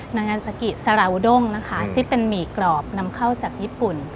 นางศักดิ์สราวด้งที่เป็นหมีกรอบนำเข้าจากญี่ปุ่น